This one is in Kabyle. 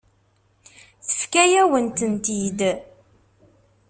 Tefka-yawen-tent-id.